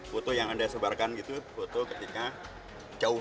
foto yang anda sebarkan gitu foto ketika jauh